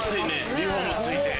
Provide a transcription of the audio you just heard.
リフォーム付いて。